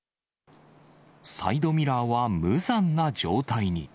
サイドミラーは無残な状態に。